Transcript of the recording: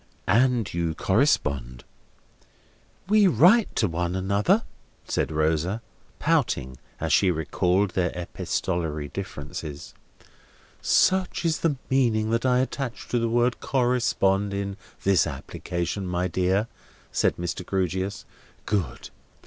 And you correspond." "We write to one another," said Rosa, pouting, as she recalled their epistolary differences. "Such is the meaning that I attach to the word 'correspond' in this application, my dear," said Mr. Grewgious. "Good.